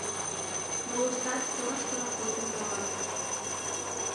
Молыштат чоныштымак почын каласышт.